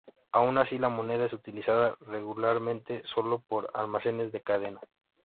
Aun así, la moneda es utilizada regularmente sólo por almacenes de cadena.